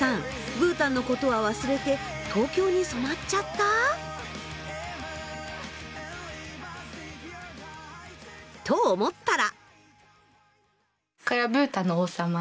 ブータンのことは忘れて東京に染まっちゃった？と思ったら。